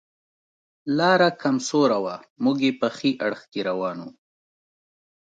لاره کم سوره وه، موږ یې په ښي اړخ کې روان و.